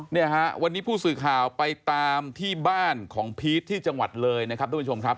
เนี่ยฮะวันนี้ผู้สื่อข่าวไปตามที่บ้านของพีชที่จังหวัดเลยนะครับทุกผู้ชมครับ